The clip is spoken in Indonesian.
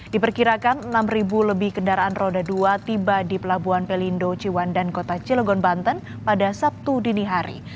diperkirakan enam lebih kendaraan roda dua tiba di pelabuhan pelindo ciwandan kota cilegon banten pada sabtu dini hari